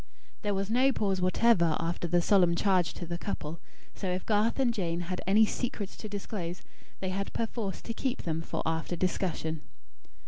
There was no pause whatever after the solemn charge to the couple; so if Garth and Jane had any secrets to disclose, they had perforce to keep them for after discussion.